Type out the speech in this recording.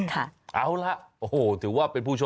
ค่ะ